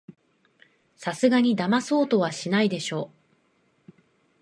さすがにだまそうとはしないでしょ